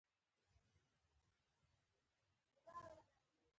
باد د انسان احساسات راژوندي کوي